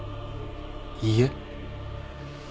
いいえ。